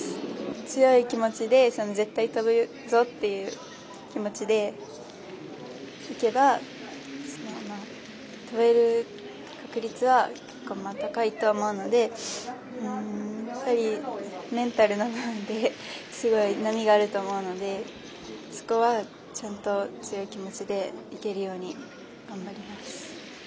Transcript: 強い気持ちで絶対跳ぶぞという気持ちでいけば跳べる確率は高いと思うのでメンタルの面ですごい波があると思うのでそこは、ちゃんと強い気持ちでいけるように頑張ります。